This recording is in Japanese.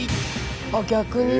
あっ逆にね！